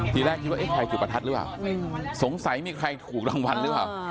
ทีแรกคิดว่าเอ๊ะใครจุดประทัดหรือเปล่าสงสัยมีใครถูกรางวัลหรือเปล่า